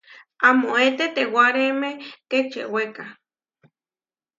Amóe tetewáreemé kečewéka.